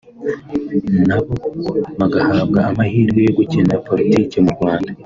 nabo bagahabwa amahirwe yo gukina politique mu Rwanda